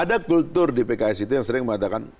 ada kultur di pks itu yang sering mengatakan